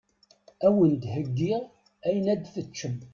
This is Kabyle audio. Awen-d heggiɣ ayen ad teččem.